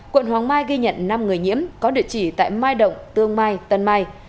quận hoàng mai ghi nhận năm người nhiễm có địa chỉ tại mai động tương mai tân mai